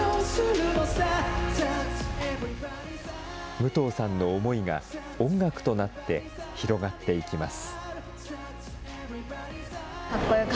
武藤さんの思いが、音楽となって広がっていきます。